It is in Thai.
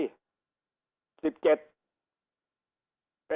โรคหัวใจ